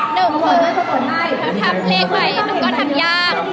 หนึ่งคือถ้าเรียกว่านั้นมันก็ทำยาก